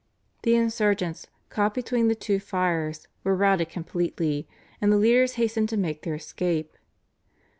The insurgents, caught between the two fires, were routed completely, and the leaders hastened to make their escape.